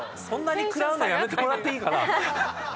そんなに食らうのやめてもらっていいかな。